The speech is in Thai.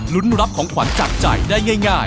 รับของขวัญจากใจได้ง่าย